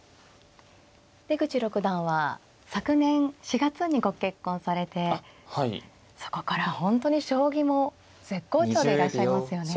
出口六段は昨年４月にご結婚されてそこから本当に将棋も絶好調でいらっしゃいますよね。